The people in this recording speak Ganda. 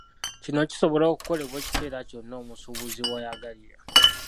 Kino kisobola okukolebwa ekiseera kyonna omusuubuzi w'ayagalira.